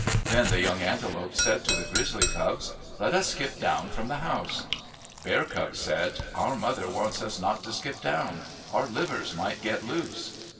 Then the young antelopes said to the grizzly cubs, " Let us skip down from the house." Bear cubs said, " Our mother wants us not to skip down. Our livers might get loose."